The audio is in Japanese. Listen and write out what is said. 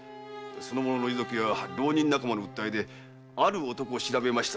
その者の遺族や浪人仲間の訴えである男を調べましたところ。